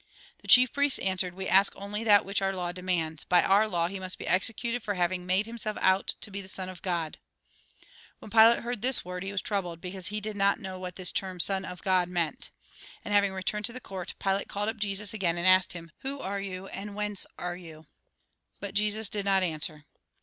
The chief priests answered :" We ask only that which our law demands. By our law, he must be 154 THE GOSPEL IN BRIEF executed for having made himself out to be Son of God." When Pilate heard this word, he was troubled, because he did not know what this term " Son of God " meant. And having returned into the court, Pilate called up Jesus again, and asked him :" Who are you, and whence are you ?" But Jesus did not answer.